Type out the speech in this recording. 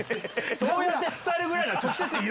そうやって伝えるぐらいなら。